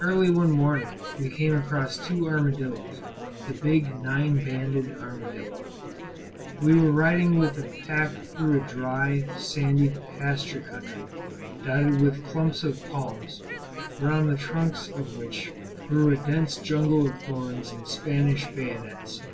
Early one morning we came across two armadillos the big, nine banded armadillo. We were riding with the pack through a dry, sandy pasture country, dotted with clumps of palms, round the trunks of which grew a dense jungle of thorns and Spanish bayonets.